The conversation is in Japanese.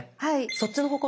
そっちの方向